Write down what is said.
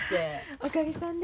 おかげさんで。